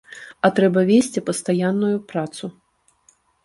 А трэба весці пастаянную працу.